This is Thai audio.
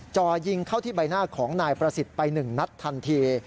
จ่อยิงเข้าที่ใบหน้าของนายประสิทธิ์ไป๑นัดทันที